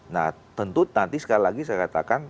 nah tentu nanti sekali lagi saya katakan